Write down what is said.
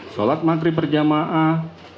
sholat maghrib perjamaah